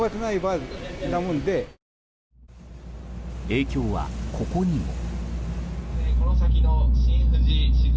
影響は、ここにも。